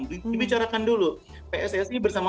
dibicarakan dulu pssc bersama